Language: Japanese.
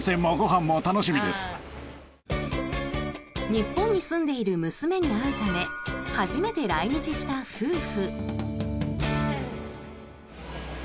日本に住んでいる娘に会うため初めて来日した夫婦。